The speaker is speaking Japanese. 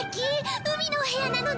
海のお部屋なのね。